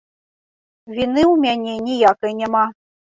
Віны ў мяне ніякай няма.